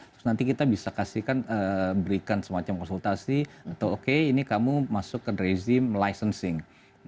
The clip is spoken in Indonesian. terus nanti kita bisa kasihkan berikan semacam konsultasi atau oke ini kamu masuk ke rezim licensing